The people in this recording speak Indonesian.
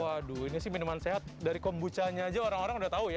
waduh ini sih minuman sehat dari kombuchanya aja orang orang udah tau ya